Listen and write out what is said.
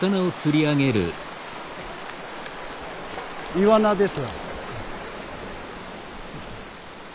イワナです。